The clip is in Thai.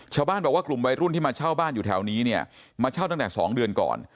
ชาวบ้านบอกว่ากลุ่มวัยรุ่นที่มาเช่าบ้านอยู่แถวนี้เนี่ยมาเช่าตั้งแต่๒เดือนก่อน